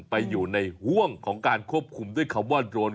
ไปอยู่ในห่วงของการควบคุมด้วยคำว่าโดรน